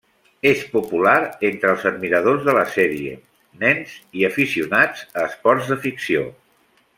És popular entre els admiradors de la sèrie, nens i aficionats a esports de ficció.